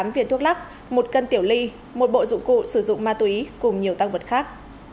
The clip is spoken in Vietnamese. hai bốn trăm hai mươi tám viên thuốc lắc một cân tiểu ly một bộ dụng cụ sử dụng ma túy cùng nhiều tăng vật khác